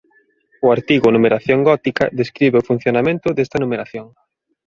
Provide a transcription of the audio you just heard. O artigo Numeración gótica describe o funcionamento desta numeración.